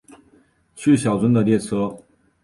去小樽的列车